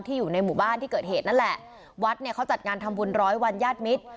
อยู่ในหมู่บ้านที่เกิดเหตุนั่นแหละวัดเนี่ยเขาจัดงานทำบุญร้อยวันญาติมิตร